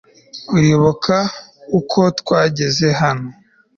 uribuka uko twageze hano